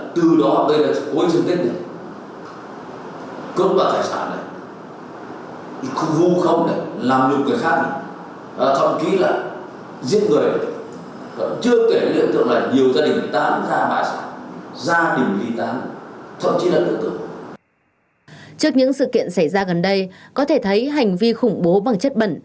trước những sự kiện xảy ra gần đây có thể thấy hành vi khủng bố bằng chất bẩn